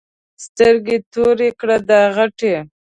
سترګې تورې کړه دا غټې.